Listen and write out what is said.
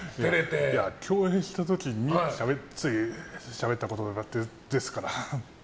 共演した時にしゃべったことがあってですから。